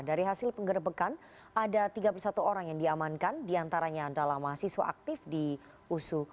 dari hasil penggerbekan ada tiga puluh satu orang yang diamankan diantaranya adalah mahasiswa aktif di usu